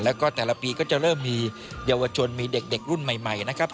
แล้วก็แต่ละปีก็จะเริ่มมีเยาวชนมีเด็กรุ่นใหม่นะครับ